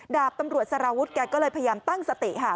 ดาบตำรวจสารวุฒิแกก็เลยพยายามตั้งสติค่ะ